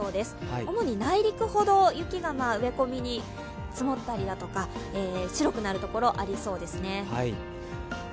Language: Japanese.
主に内陸ほど雪が植え込みに積もったりとか白くなるところ、ありそうですね。